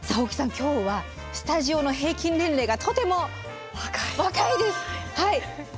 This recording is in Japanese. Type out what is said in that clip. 今日はスタジオの平均年齢がとても若いです！